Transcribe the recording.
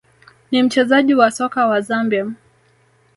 ni mchezaji wa soka wa Zambia